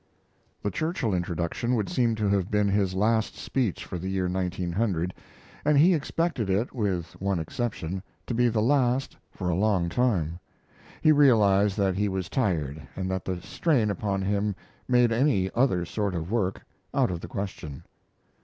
The Churchill introduction would seem to have been his last speech for the year 1900, and he expected it, with one exception, to be the last for a long time. He realized that he was tired and that the strain upon him made any other sort of work out of the question.